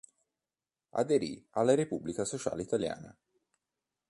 Aderì alla Repubblica Sociale Italiana.